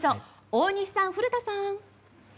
大西さん、古田さん！